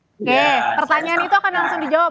oke pertanyaan itu akan langsung dijawab